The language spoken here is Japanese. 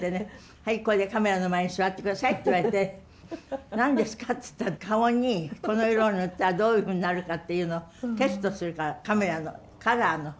はいこれでカメラの前に座って下さいって言われて何ですかって言ったら顔にこの色を塗ったらどういうふうになるかっていうのをテストするからカメラのカラーの。